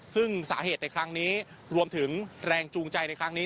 ซึ่งสาเหตุในครั้งนี้รวมถึงแรงจูงใจในครั้งนี้